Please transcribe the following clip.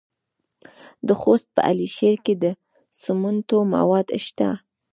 د خوست په علي شیر کې د سمنټو مواد شته.